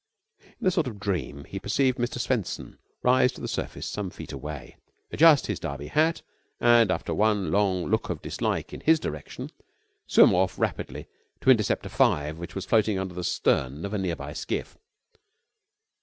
In a sort of dream he perceived Mr. Swenson rise to the surface some feet away, adjust his Derby hat, and, after one long look of dislike in his direction, swim off rapidly to intercept a five which was floating under the stern of a near by skiff.